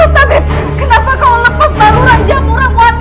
takbib kenapa kau lepas baluran jamur ramuanmu